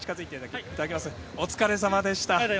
お疲れさまでした。